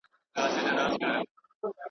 مار يې ولیدی چي پروت وو بېگمانه.